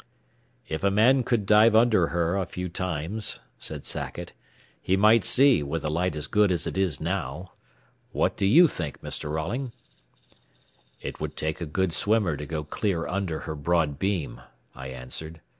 "If a man could dive under her a few times," said Sackett, "he might see, with the light as good as it is now. What do you think, Mr. Rolling?" "It would take a good swimmer to go clear under her broad beam," I answered.